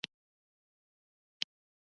پوهاوی توجیه له منځه وړي.